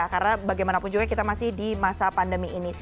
karena bagaimanapun juga kita masih di masa pandemi ini